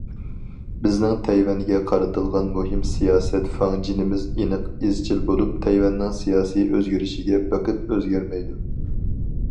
بىزنىڭ تەيۋەنگە قارىتىلغان مۇھىم سىياسەت فاڭجېنىمىز ئېنىق، ئىزچىل بولۇپ، تەيۋەننىڭ سىياسىي ئۆزگىرىشىگە بېقىپ ئۆزگەرمەيدۇ.